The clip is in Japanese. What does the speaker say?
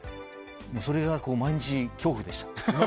それが毎日、恐怖でした。